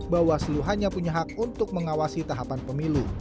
bawaslu hanya punya hak untuk mengawasi tahapan pemilu